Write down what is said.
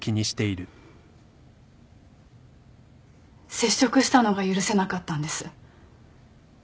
接触したのが許せなかったんです。